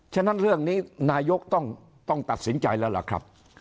ฉะนั้นเรื่องนี้นายกต้องตัดสินใจแล้วล่ะครับ